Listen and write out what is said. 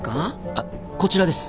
あっこちらです。